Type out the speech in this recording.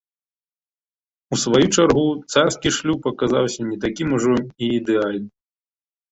У сваю чаргу, царскі шлюб аказаўся не такім ужо і ідэальным.